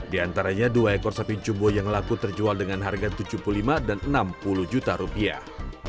di antaranya dua ekor sapi jumbo yang laku terjual dengan harga tujuh puluh lima dan enam puluh juta rupiah